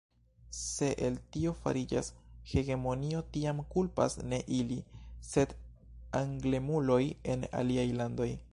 Se el tio fariĝas hegemonio, tiam kulpas ne ili, sed anglemuloj en aliaj landoj.